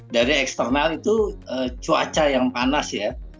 dari eksternal itu cuaca yang panas ya